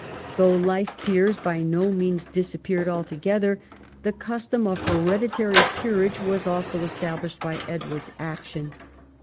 Though life peers by no means disappeared altogether, the custom of hereditary peerage was also established by Edward's action.